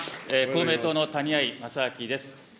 公明党の谷合正明です。